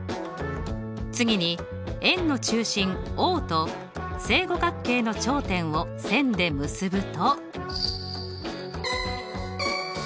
次に円の中心Ｏと正五角形の頂点を線で結ぶと。